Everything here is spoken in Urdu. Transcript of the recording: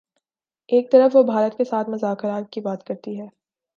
ایک طرف وہ بھارت کے ساتھ مذاکرات کی بات کرتی ہے۔